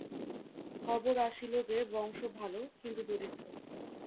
খবর আসিল যে, বংশ ভালো, কিন্তু দরিদ্র।